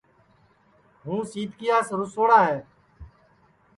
ہُوں سِیتکِیاس رُسوڑا ہے